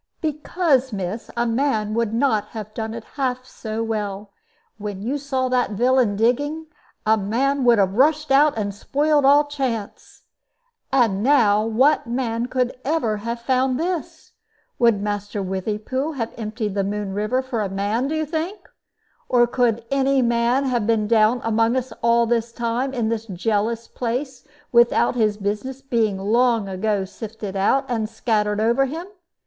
"Because, miss, a man would not have done it half so well. When you saw that villain digging, a man would have rushed out and spoiled all chance. And now what man could have ever found this? Would Master Withypool ever have emptied the Moon River for a man, do you think? Or could any man have been down among us all this time, in this jealous place, without his business being long ago sifted out and scattered over him?